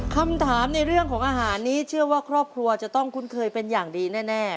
คำถามในเรื่องของอาหารนี้เชื่อว่าครอบครัวจะต้องคุ้นเคยเป็นอย่างดีแน่